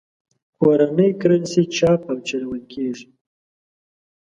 کورنۍ کرنسي چاپ او چلول کېږي.